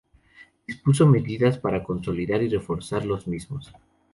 Dispuso medidas para consolidar y reforzar los mismos.